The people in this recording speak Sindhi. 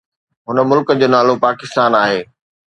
هن ملڪ جو نالو پاڪستان آهي